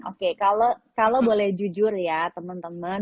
oke kalau boleh jujur ya temen temen